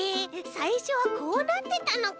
さいしょはこうなってたのか。